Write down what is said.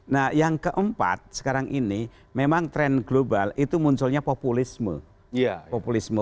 nah yang keempat sekarang ini memang tren global itu munculnya populisme